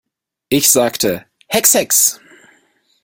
Ich sagte: Hex, hex!